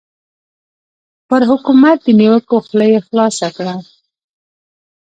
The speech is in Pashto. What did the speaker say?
پر حکومت د نیوکو خوله یې خلاصه کړه.